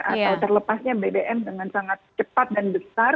atau terlepasnya bbm dengan sangat cepat dan besar